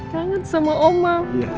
kangen sama oma